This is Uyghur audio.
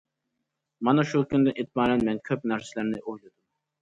مانا شۇ كۈندىن ئېتىبارەن مەن كۆپ نەرسىلەرنى ئويلىدىم.